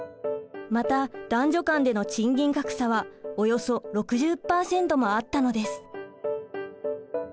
また男女間での賃金格差はおよそ６０％もあったのです。